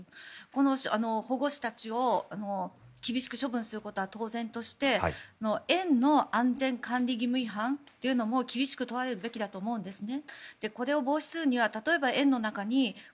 この保育士たちを厳しく処分することは当然として園の安全管理義務違反も厳しく問われるべきだと思うんですね。